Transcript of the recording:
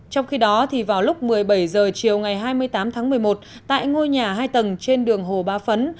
trong khi đó vào lúc một mươi bảy h chiều ngày hai mươi tám tháng một mươi một tại ngôi nhà hai tầng trên đường hồ ba phấn